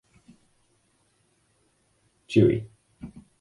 Dewey.